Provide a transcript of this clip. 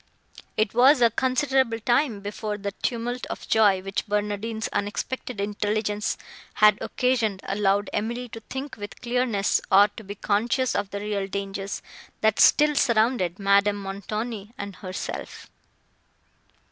It was a considerable time, before the tumult of joy, which Barnardine's unexpected intelligence had occasioned, allowed Emily to think with clearness, or to be conscious of the real dangers, that still surrounded Madame Montoni and herself.